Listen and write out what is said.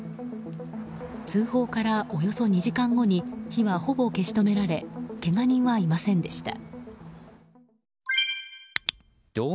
通報から、およそ２時間後に火はほぼ消し止められけが人はいませんでした。